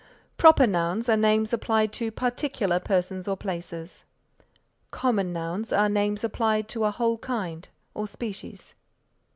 Proper nouns are names applied to particular persons or places. Common nouns are names applied to a whole kind or species.